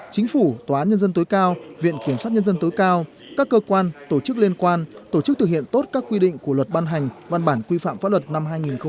chính phủ tòa án nhân dân tối cao viện kiểm soát nhân dân tối cao các cơ quan tổ chức liên quan tổ chức thực hiện tốt các quy định của luật ban hành văn bản quy phạm pháp luật năm hai nghìn một mươi chín